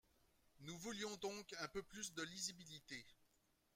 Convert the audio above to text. Nous voulions donc un peu plus de lisibilité.